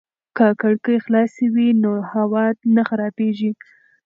که کړکۍ خلاصې وي نو هوا نه خرابېږي.